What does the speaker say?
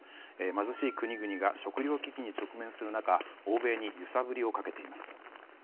貧しい国々が食料危機に直面する中欧米にゆさぶりをかけています。